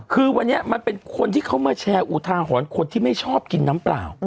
คือวันนี้มันเป็นคนที่เขามาแชร์อุทาหรณ์คนที่ไม่ชอบกินน้ำเปล่า